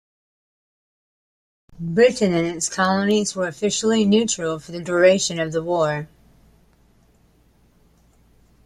Britain and its colonies were officially neutral for the duration of the war.